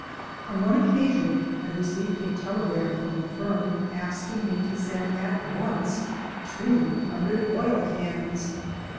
On one occasion I received a telegram from a firm asking me to send at once two hundred Oil cans.